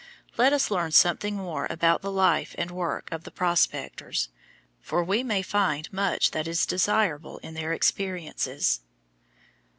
Let us learn something more about the life and work of the prospectors, for we may find much that is desirable in their experiences.